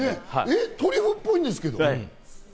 トリュフっぽいんですけど。